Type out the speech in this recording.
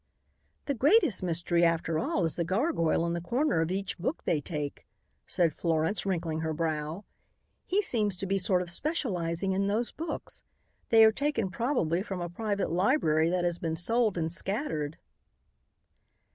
"The greatest mystery after all is the gargoyle in the corner of each book they take," said Florence, wrinkling her brow. "He seems to be sort of specializing in those books. They are taken probably from a private library that has been sold and scattered."